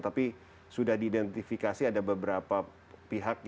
tapi sudah diidentifikasi ada beberapa pihak yang hadir